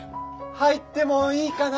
・入ってもいいかな？